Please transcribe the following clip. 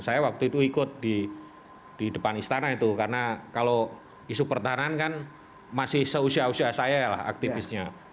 saya waktu itu ikut di depan istana itu karena kalau isu pertahanan kan masih seusia usia saya lah aktivisnya